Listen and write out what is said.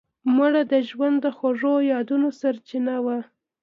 مړه د ژوند د خوږو یادونو سرچینه وه